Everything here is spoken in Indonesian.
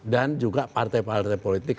dan juga partai partai politik